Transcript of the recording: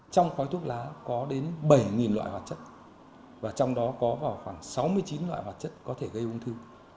trong khói thuốc lá có đến bảy loại hoạt chất và trong đó có vào khoảng sáu mươi chín loại hoạt chất có thể gây ung thư